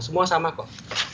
semua sama kok